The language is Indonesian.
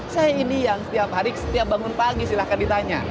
saya ini yang setiap hari setiap bangun pagi silahkan ditanya